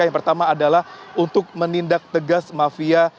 yang pertama adalah untuk menindak tegas mafia